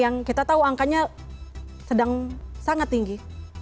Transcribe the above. yang kita tahu angkanya sedang sangat tinggi